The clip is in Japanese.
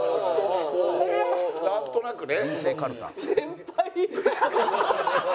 なんとなくね。